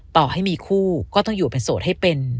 ต่อให้มีคู่ก็ต้องอยู่เป็นโสดให้เป็น